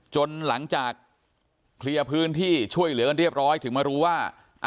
จนหลังจากเคลียร์พื้นที่ช่วยเหลือกันเรียบร้อยถึงมารู้ว่า